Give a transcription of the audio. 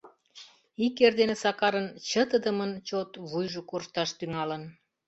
Ик эрдене Сакарын чытыдымын чот вуйжо коршташ тӱҥалын.